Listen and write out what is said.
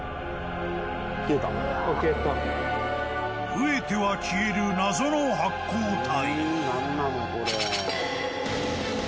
［増えては消える謎の発光体］